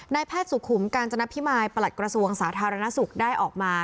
แพทย์สุขุมกาญจนพิมายประหลัดกระทรวงสาธารณสุขได้ออกมา